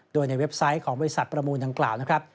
โดยในเว็บไซต์ของบริษัทประมูลดังกล่าวนะครับ